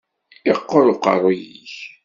Yeqquṛ uqeṛṛu-yik.